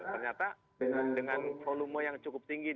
ternyata dengan volume yang cukup tinggi